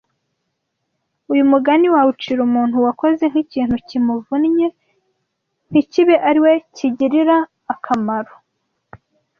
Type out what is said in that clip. Uyu mugani wawucira umuntu wakoze nk’ikintu kimuvunnye ntikibe ari we kigira akamaro